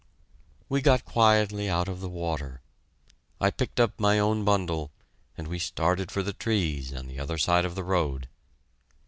We got quietly out of the water. I picked up my own bundle, and we started for the trees on the other side of the road.